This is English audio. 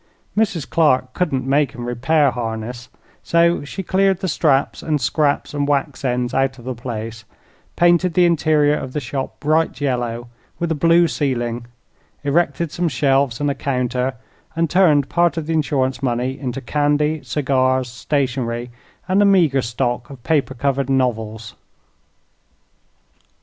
Mrs. Clark couldn't make and repair harness; so she cleared the straps and scraps and wax ends out of the place, painted the interior of the shop bright yellow, with a blue ceiling, erected some shelves and a counter and turned part of the insurance money into candy, cigars, stationery, and a meager stock of paper covered novels.